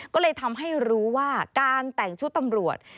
ก็เลยทำให้รู้ว่าการแต่งชุดตำรวจ